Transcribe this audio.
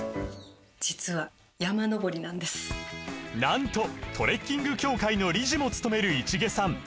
実はなんとトレッキング協会の理事もつとめる市毛さん